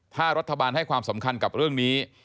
ถ้ารัฐบาลให้ความสำคัญกับเรื่องนี้